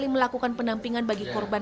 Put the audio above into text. saya tetap berdoa